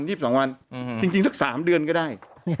๒๑วัน๒๒วันจริงสัก๓เดือนก็ได้